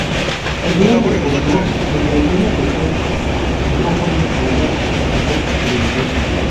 Su vida transcurrió entre escenas de teatro, micrófonos radiales y pantallas de televisión.